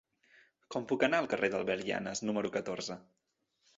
Com puc anar al carrer d'Albert Llanas número catorze?